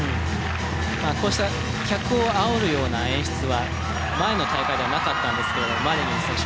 こうした客をあおるような演出は前の大会ではなかったんですけどマリニン選手